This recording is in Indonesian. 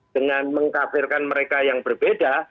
dengan mengkafirkan mereka yang berbeda